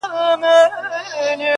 دا خو ورور مي دی بې حده حرامخوره،